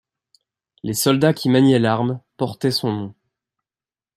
Les soldats qui maniaient l'arme, portaient son nom.